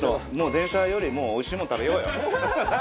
電車よりおいしいもの食べようよ。